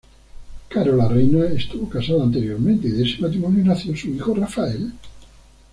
Carola Reyna estuvo casada anteriormente y de ese matrimonio nació su hijo Rafael.